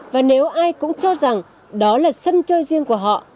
và nếu ai cũng cho rằng đó là sân chơi riêng của họ